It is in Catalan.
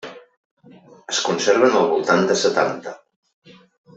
Es conserven al voltant de setanta.